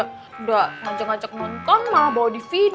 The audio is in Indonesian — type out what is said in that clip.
udah ngajak ngajak nonton mah bawa dvd